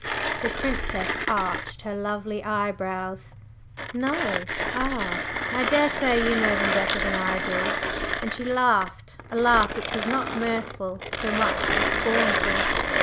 The Princess arched her lovely eyebrows. "No? Ah! I daresay you know them better than I do!" and she laughed, a laugh which was not mirthful so much as scornful.